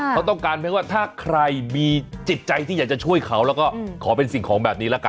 เขาต้องการเพียงว่าถ้าใครมีจิตใจที่อยากจะช่วยเขาแล้วก็ขอเป็นสิ่งของแบบนี้ละกัน